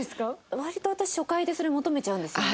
割と私初回でそれ求めちゃうんですよね。